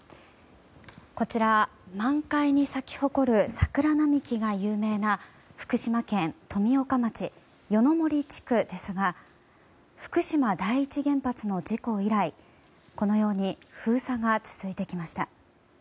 こちら、満開に咲き誇る桜並木が有名な福島県富岡町夜の森地区ですが福島第一原発の事故以来このように封鎖が続いてきました。